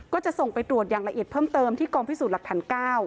ก็จะส่งไปตรวจอย่างละเอียดเพิ่มเติมที่กองพิสูจน์หลักฐาน๙